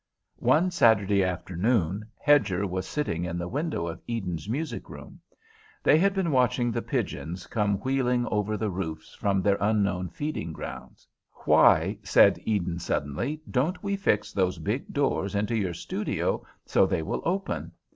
One Saturday afternoon Hedger was sitting in the window of Eden's music room. They had been watching the pigeons come wheeling over the roofs from their unknown feeding grounds. "Why," said Eden suddenly, "don't we fix those big doors into your studio so they will open?